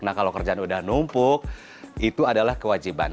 nah kalau kerjaan udah numpuk itu adalah kewajiban